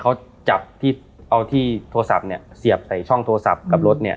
เขาจับที่เอาที่โทรศัพท์เนี่ยเสียบใส่ช่องโทรศัพท์กับรถเนี่ย